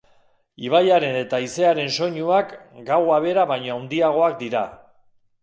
Ibaiaren eta haizearen soinuak gaua bera baino handiagoak dira.